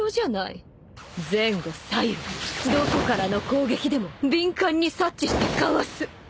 前後左右どこからの攻撃でも敏感に察知してかわす